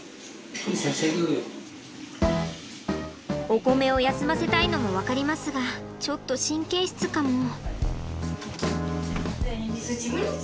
おこめを休ませたいのも分かりますがちょっと神経質かも。